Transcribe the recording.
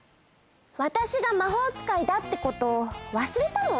わたしがまほうつかいだってことをわすれたの？